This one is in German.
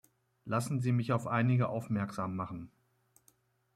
Lassen Sie mich auf einige aufmerksam machen!